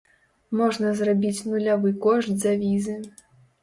Можна зрабіць нулявы кошт за візы.